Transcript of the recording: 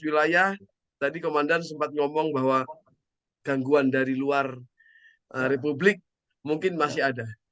wilayah tadi komandan sempat ngomong bahwa gangguan dari luar republik mungkin masih ada